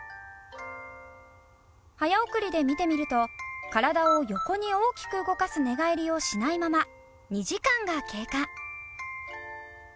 早送りで見てみると体を横に大きく動かす寝返りをしないまま２時間が経過。